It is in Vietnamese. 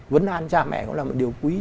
vấn an cha mẹ cũng là một điều quý